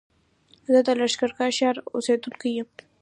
زه د لښکرګاه ښار اوسېدونکی يم